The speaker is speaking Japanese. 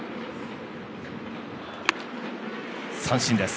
三振です。